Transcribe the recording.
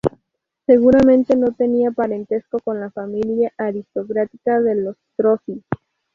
Seguramente no tenía parentesco con la familia aristocrática de los Strozzi.